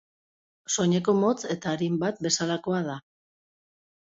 Soineko motz eta arin bat bezalakoa da.